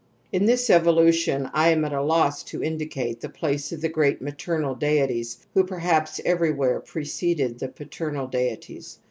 In this evolution' I am at a Ips^o indicate pjacejj l^the great maternal deities w ho perhaps everywhere preceded the paternal deities.